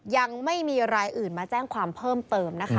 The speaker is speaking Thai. ยังไม่มีรายอื่นมาแจ้งความเพิ่มเติมนะคะ